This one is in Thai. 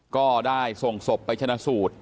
ก็ได้ส่งศพไปชนะสูตร